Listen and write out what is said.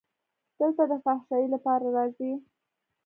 دلته د فحاشۍ لپاره راځي.